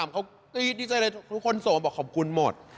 ๕๓เขาดีใจเลยทุกคนส่งมาบอกขอบคุณหมด